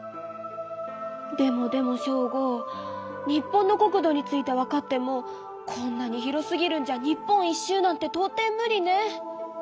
でもでもショーゴ日本の国土について分かってもこんなに広すぎるんじゃ日本一周なんてとう底ムリね。